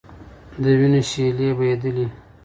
د وینو شېلې بهېدلې.